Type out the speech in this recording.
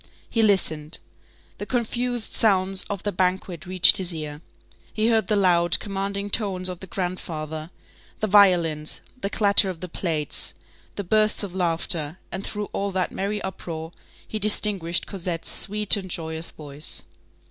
He listened. The confused sounds of the banquet reached his ear. He heard the loud, commanding tones of the grandfather, the violins, the clatter of the plates, the bursts of laughter, and through all that merry uproar, he distinguished Cosette's sweet and joyous voice.